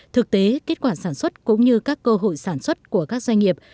thực tế kết quả sản xuất cũng như các cơ hội sản xuất của các doanh nghiệp